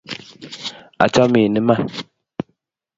Achamin iman